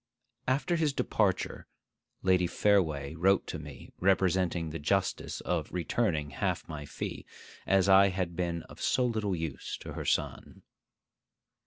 After his departure, Lady Fareway wrote to me, representing the justice of my returning half my fee, as I had been of so little use to her son.